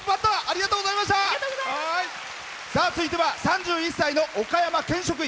続いては３１歳の岡山県職員。